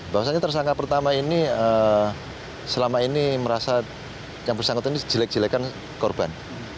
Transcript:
bahwasannya tersangka pertama ini selama ini merasa yang bersangkutan ini jelek jelekan korban